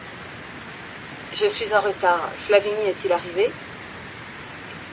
Je suis en retard… Flavigny est-il arrivé ?